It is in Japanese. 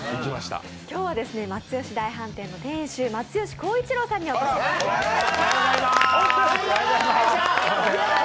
今日はマツヨシ大飯店の店主、松由晃一郎さんにお越しいただきました。